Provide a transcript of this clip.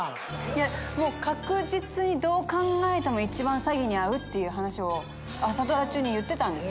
確実にどう考えても一番詐欺に遭うっていう話を朝ドラ中に言ってたんです。